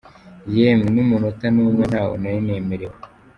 Yewe n’umunota n’umwe ntawo nari nemerewe.